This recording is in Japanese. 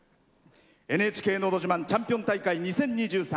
「ＮＨＫのど自慢チャンピオン大会２０２３」